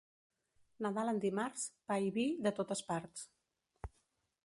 Nadal en dimarts, pa i vi de totes parts.